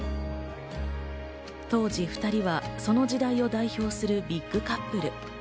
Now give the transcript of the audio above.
当時、２人はその時代を代表するビッグカップル。